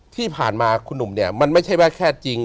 ที่ผ่านมาคุณหนุ่มเนี่ยมันไม่ใช่ว่าแค่จริง